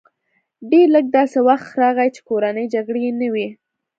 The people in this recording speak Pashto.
ډېر لږ داسې وخت راغی چې کورنۍ جګړې نه وې